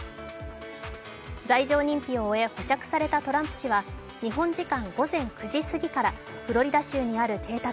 罪状認否を終え保釈されたトランプ氏は日本時間午前９時すぎからフロリダ州にある邸宅